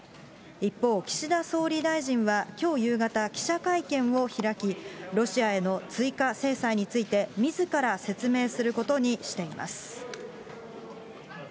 一方、岸田総理大臣はきょう夕方、記者会見を開き、ロシアへの追加制裁について、みずから説明することにしています。